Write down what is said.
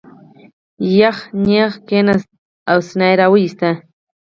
یغ نېغ کېناست او سینه یې را وویسته.